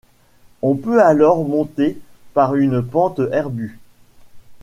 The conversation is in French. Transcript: On peut alors monter par une pente herbue.